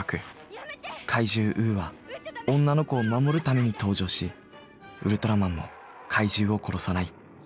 怪獣ウーは女の子を守るために登場しウルトラマンも怪獣を殺さない。